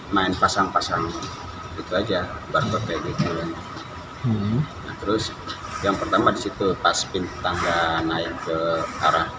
main pasang pasang itu aja baru seperti itu terus yang pertama disitu pas pin tangga naik ke arah